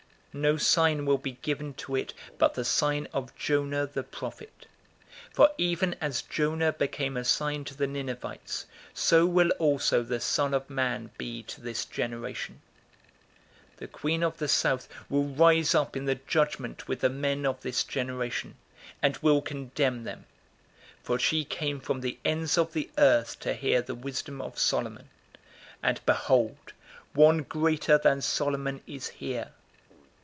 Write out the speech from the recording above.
No sign will be given to it but the sign of Jonah, the prophet. 011:030 For even as Jonah became a sign to the Ninevites, so will also the Son of Man be to this generation. 011:031 The Queen of the South will rise up in the judgment with the men of this generation, and will condemn them: for she came from the ends of the earth to hear the wisdom of Solomon; and behold, one greater than Solomon is here.